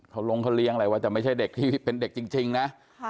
เขาลงเขาเลี้ยงอะไรว่าจะไม่ใช่เด็กที่เป็นเด็กจริงนะ